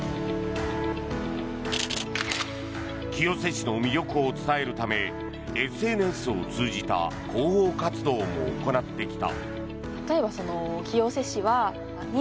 清瀬市の魅力を伝えるためＳＮＳを通じた広報活動も行ってきた。